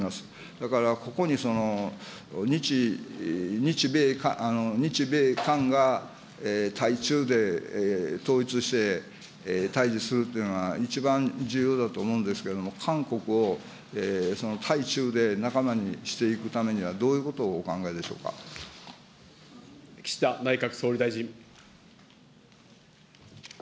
だから、ここに日米韓が対中で統一して対じするっていうのは、一番重要だと思うんですけれども、韓国をその対中で仲間にしていくためには、どういうことをお考え岸田内閣総理大臣。